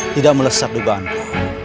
tidak melesat dugaanku